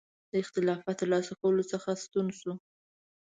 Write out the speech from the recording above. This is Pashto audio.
د خلافت ترلاسه کولو څخه ستون شو.